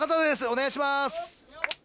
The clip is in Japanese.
お願いします。